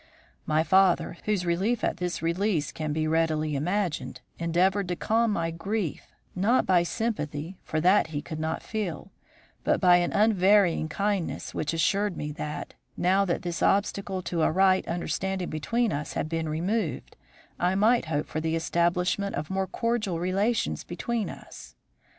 "My father, whose relief at this release can be readily imagined, endeavoured to calm my grief, not by sympathy, for that he could not feel, but by an unvarying kindness which assured me that, now that this obstacle to a right understanding between us had been removed, I might hope for the establishment of more cordial relations between us.